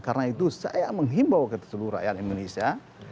karena itu saya menghimbau ke seluruh rakyat indonesia